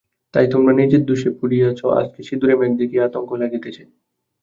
ভাই, তোমরা নিজের দোষে পুড়িয়াছ, আজকে সিঁদুরে মেঘ দেখিয়া আতঙ্ক লাগিতেছে।